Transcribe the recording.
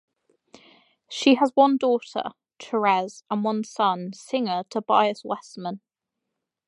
She has one daughter, Therese, and one son, singer Tobias Westman.